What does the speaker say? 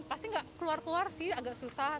pasti nggak keluar keluar sih agak susah